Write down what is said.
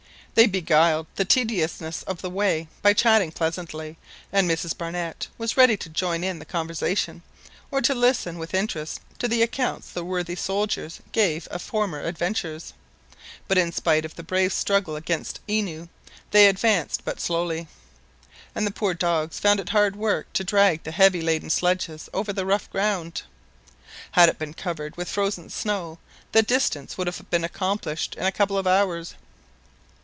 They beguiled the tediousness of the way by chatting pleasantly, and Mrs Barnett was ready to join in the conversation, or to listen with interest to the accounts the worthy soldiers gave of former adventures; but in spite of the brave struggle against ennui they advanced but slowly, and the poor dogs found it hard work to drag the heavily laden sledges over the rough ground. Had it been covered with frozen snow the distance would have been accomplished in a couple of hours.